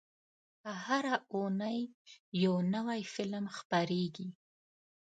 هره اونۍ یو نوی فلم خپرېږي.